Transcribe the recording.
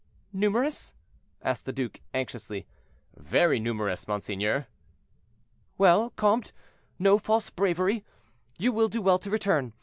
"Numerous?" asked the duke anxiously. "Very numerous, monseigneur." "Well, comte, no false bravery: you will do well to return.